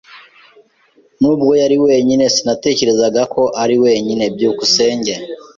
Nubwo yari wenyine, sinatekerezaga ko ari wenyine. byukusenge